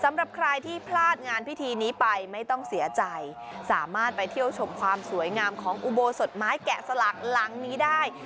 สำหรับใครที่พลาดงานพิธีนี้ไปไม่ต้องเสียใจสามารถไปเที่ยวชมความสวยงามของอุโบสถไม้แกะสลักหลังนี้ได้